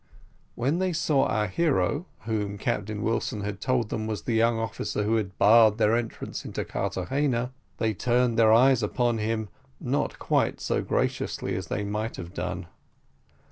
When they saw our hero, who Captain Wilson had told them was the young officer who had barred their entrance into Carthagena, they turned their eyes upon him not quite so graciously as they might have done.